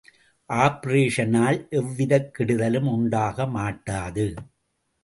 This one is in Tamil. ஆப்பரேஷனால் எவ்விதக் கெடுதலும் உண்டாக மாட்டாது.